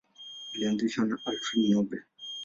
Ilianzishwa na Alfred Nobel.